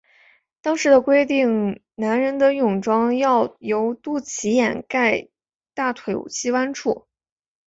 当时的法律规定男人的泳装要由肚脐盖大腿膝盖处。